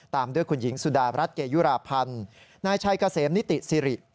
ตามด้วยคุณหญิงสุดารัฐเกยุราพันธ์นายชัยเกษมนิติสิริ